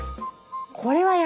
これはやる。